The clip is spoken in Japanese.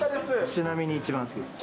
ちなみに一番好きです。